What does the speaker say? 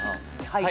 はい。